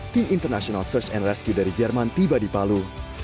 tim international search and rescue dari jerman tiba di palu